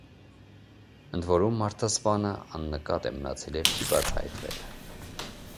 Ընդ որում, մարդասպանը աննկատ է մնացել և չի բացահայտվել։